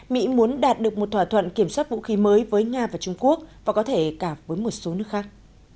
mỹ muốn đạt được một thỏa thuận kiểm soát vũ khí mới với nga và trung quốc và có thể cả với một số nước khác